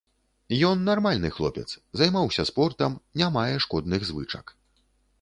Ён нармальны хлопец, займаўся спортам, не мае шкодных звычак.